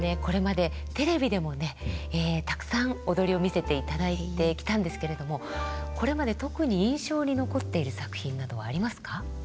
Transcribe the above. これまでテレビでもねたくさん踊りを見せていただいてきたんですけれどもこれまで特に印象に残っている作品などはありますか。